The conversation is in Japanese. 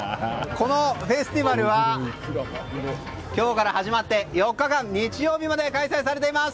このフェスティバルは今日から始まって４日間、日曜日まで開催されています。